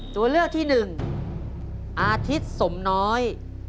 ตัวเลือกที่หนึ่งอาทิตย์สมน้อย